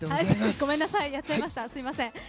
ごめんなさいやっちゃいました、すみません。